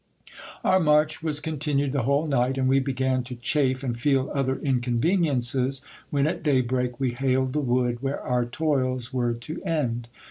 Our march was continued the whole night, and we began to chafe and feel other inconveniences, when at daybreak we hailed the wood where our toils were to end.